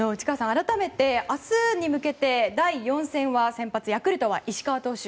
改めて明日に向けて第４戦の先発ヤクルトは石川投手